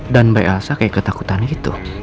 dan mbak elsa kayak ketakutan gitu